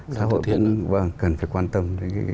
xã hội cũng cần phải quan tâm